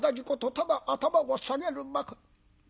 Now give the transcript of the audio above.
ただ頭を下げるばかり。